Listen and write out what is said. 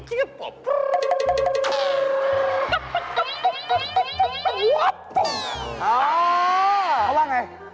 เขาว่าอย่างไร